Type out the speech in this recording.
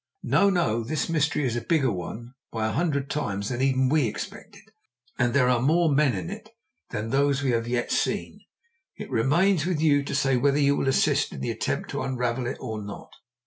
No, no! this mystery is a bigger one by a hundred times than even we expected, and there are more men in it than those we have yet seen. It remains with you to say whether you will assist in the attempt to unravel it or not."